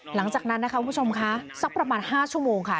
หลังจากนั้นนะคะคุณผู้ชมคะสักประมาณ๕ชั่วโมงค่ะ